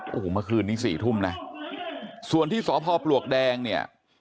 โอ้โหเมื่อคืนนี้สี่ทุ่มนะส่วนที่สพปลวกแดงเนี่ย